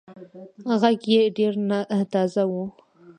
غږ يې ډېر تازه وو.